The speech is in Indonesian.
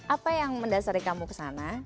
apa yang mendasari kamu kesana